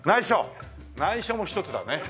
内緒も一つだね。